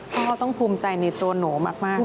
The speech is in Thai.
พ่อต้องภูมิใจในตัวหนูมากเลยครับ